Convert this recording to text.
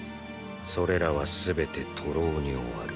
それらは全て徒労に終わる。